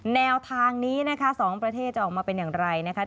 แนวทางนี้นะคะ๒ประเทศจะออกมาเป็นอย่างไรนะคะ